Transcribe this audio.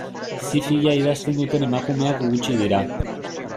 Zi-fia idazten duten emakumeak gutxi dira.